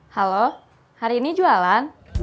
halo hari ini jualan